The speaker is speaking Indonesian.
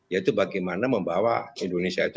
yaitu bagaimana membawa indonesia itu